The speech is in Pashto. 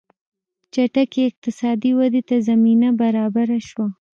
چټکې اقتصادي ودې ته زمینه برابره شوه.